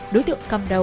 đối tượng cầm đầu